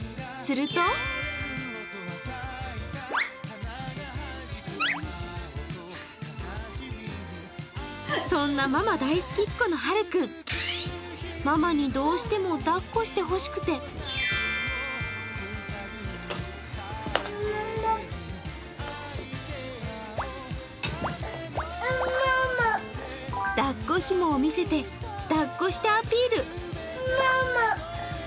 するとそんなママ大好きっ子の、はるくんママにどうしてもだっこしてほしくて抱っこひもを見せて、「抱っこして」アピール。